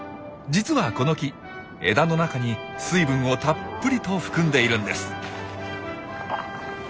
実はこの木枝の中に水分をたっぷりと含んでいるんです。